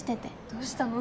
どうしたの？